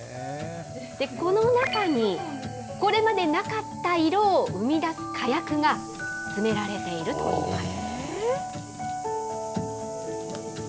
この中に、これまでなかった色を生み出す火薬が詰められているといいます。